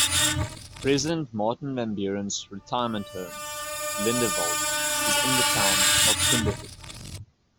President Martin Van Buren's retirement home, Lindenwald, is in the town of Kinderhook.